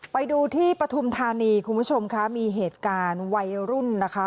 ไปดูที่ปฐุมธานีคุณผู้ชมค่ะมีเหตุการณ์วัยรุ่นนะคะ